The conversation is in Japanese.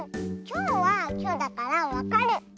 きょうはきょうだからわかる。